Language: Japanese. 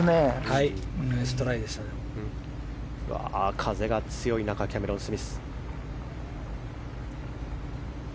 風が強い中キャメロン・スミス。